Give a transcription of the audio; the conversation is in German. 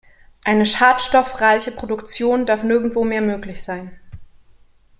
Eine schadstoffreiche Produktion darf nirgendwo mehr möglich sein.